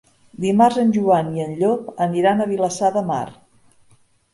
Dimarts en Joan i en Llop aniran a Vilassar de Mar.